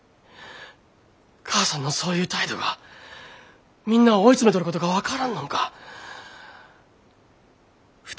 母さんのそういう態度がみんなを追い詰めとることが分からんのんか？